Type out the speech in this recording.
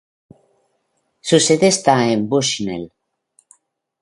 Su sede está en Bushnell.